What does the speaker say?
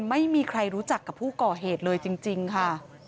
ไม่มีใครรู้จักกับผู้ก่อเหตุเลยจริงค่ะ